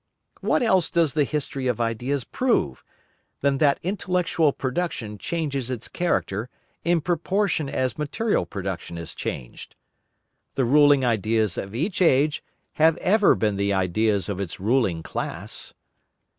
What else does the history of ideas prove, than that intellectual production changes its character in proportion as material production is changed? The ruling ideas of each age have ever been the ideas of its ruling class.